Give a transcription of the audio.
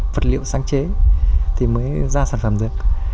vật liệu sáng chế thì mới ra sản phẩm dệt